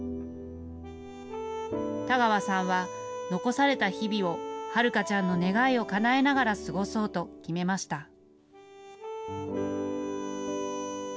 田川さんは、残された日々を、はるかちゃんの願いをかなえながら過ごそうと決めました。